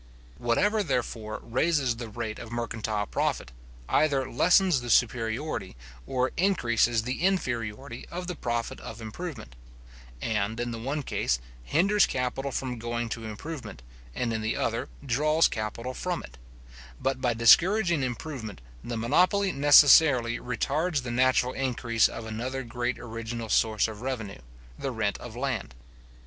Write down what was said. Whatever, therefore, raises the rate of mercantile profit, either lessens the superiority, or increases the inferiority of the profit of improvement: and, in the one case, hinders capital from going to improvement, and in the other draws capital from it; but by discouraging improvement, the monopoly necessarily retards the natural increase of another great original source of revenue, the rent of land.